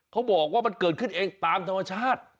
เขาบอกว่ามันเกิดขึ้นเองตามธรรมชาติ